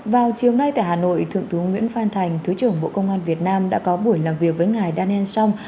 vào chiều nay tại hà nội thượng tướng nguyễn phan thành thứ trưởng bộ công an việt nam đã có buổi làm việc với ngài daniel song